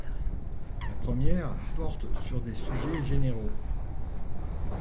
La première porte sur des sujets généraux.